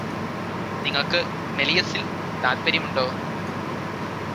നിങ്ങള്ക്ക് മെലിയസില് താതാപര്യമുണ്ടോ